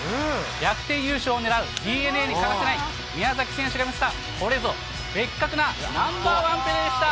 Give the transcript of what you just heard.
逆転優勝を狙う、ＤｅＮＡに欠かせない宮崎選手が見せました、これぞベッカクなナンバーワンプレーでした。